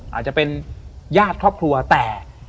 อาจจะเป็นญาติครอบครัวแต่